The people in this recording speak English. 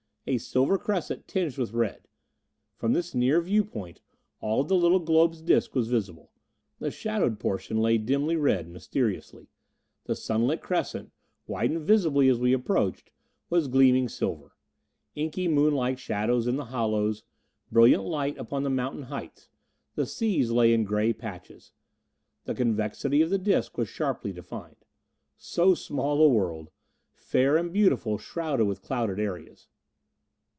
A silver crescent, tinged with red. From this near viewpoint, all of the little globe's disc was visible. The shadowed portion lay dimly red, mysteriously; the sunlit crescent widening visibly is we approached was gleaming silver. Inky moonlike shadows in the hollows, brilliant light upon the mountain heights. The seas lay in gray patches. The convexity of the disc was sharply defined. So small a world! Fair and beautiful, shrouded with clouded areas.